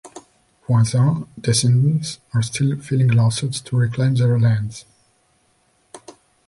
Voisin descendants are still filing lawsuits to reclaim their lands.